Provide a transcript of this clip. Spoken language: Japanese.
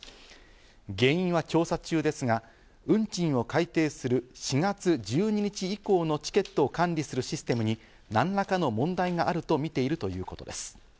原因は調査中ですが、運賃を改訂する４月１２日以降のチケットを管理するシステムに何らかの問題があるとみているということです。